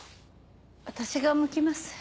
私がむきます。